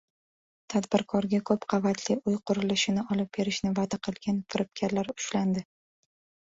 Tadbirkorga ko‘p qavatli uy qurilishini olib berishni va’da qilgan firibgarlar ushlandi